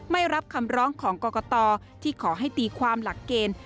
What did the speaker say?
ไม่รับคำร้องของกรกตที่ขอให้ตีความหลักเกณฑ์